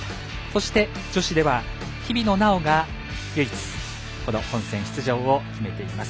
そして、女子では日比野菜緒が唯一、この本戦出場を決めています。